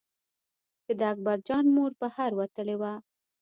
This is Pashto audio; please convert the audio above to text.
چې د اکبر جان مور بهر وتلې وه.